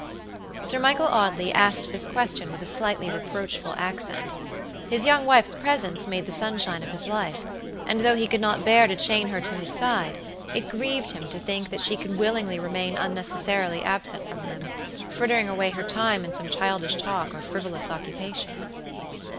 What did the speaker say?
Sir Michael Audley asked this question with a slightly reproachful accent. His young wife's presence made the sunshine of his life; and though he could not bear to chain her to his side, it grieved him to think that she could willingly remain unnecessarily absent from him, frittering away her time in some childish talk or frivolous occupation.